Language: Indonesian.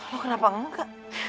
lo kenapa engga